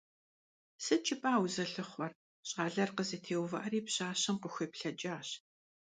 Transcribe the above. Сыт жыпӀа узылъыхъуэр? – щӀалэр къызэтеувыӀэри, пщащэм къыхуеплъэкӀащ.